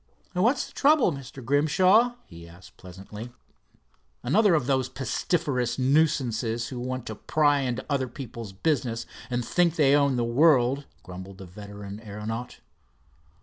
"What's the trouble, Mr. Grimshaw?" he asked, pleasantly. "Another of those pestiferous nuisances, who want to pry into other people's business, and think they own the world," grumbled the veteran aeronaut.